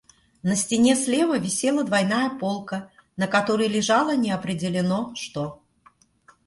На стене слева висела двойная полка, на которой лежало неопределенно что.